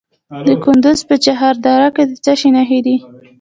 د کندز په چهار دره کې د څه شي نښې دي؟